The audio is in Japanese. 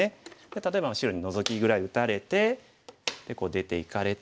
例えば白にノゾキぐらい打たれてこう出ていかれて。